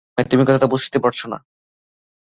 মনে হয় তুমি কথাটা বুঝতে পারছো না।